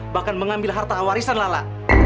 bahkan mengambil harta warisan lala